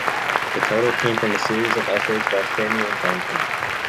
The title came from a series of essays by Samuel Johnson.